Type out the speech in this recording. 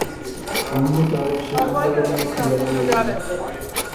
ঘুম হইতে আবার সেই অন্ধকারের মধ্যে জাগিয়া উঠিল।